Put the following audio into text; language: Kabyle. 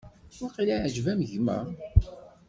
Waqil iɛǧeb-am gma?